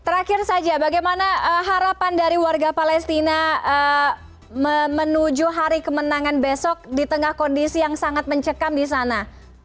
terakhir saja bagaimana harapan dari warga palestina menuju hari kemenangan besok di tengah kondisi yang sangat mencekam di sana